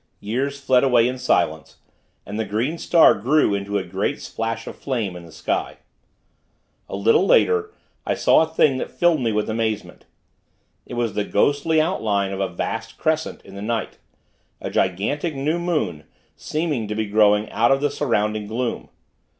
Years fled away in silence, and the green star grew into a great splash of flame in the sky. A little later, I saw a thing that filled me with amazement. It was the ghostly outline of a vast crescent, in the night; a gigantic new moon, seeming to be growing out of the surrounding gloom.